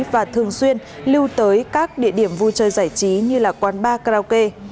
và thường xuyên lưu tới các địa điểm vui chơi giải trí như quán bar karaoke